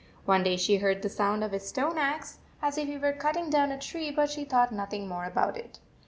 One day she heard the sound of his stone axe, as if he were cutting down a tree, but she thought nothing more about it.